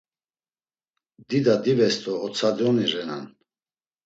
Dida dives do otsadoni renan.